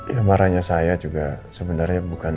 ya marahnya saya juga sebenarnya bukan